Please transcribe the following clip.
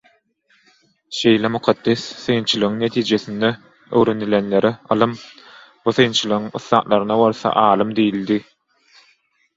Şeýle mukaddes synçylygyň netijesinde öwrenilenlere ylym, bu synçylygyň ussatlaryna bolsa alym diýildi.